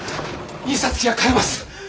印刷機が買えます！